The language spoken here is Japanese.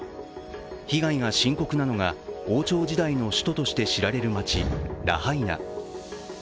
被害が深刻なのが、王朝時代の首都として知られる町、ラハイナ。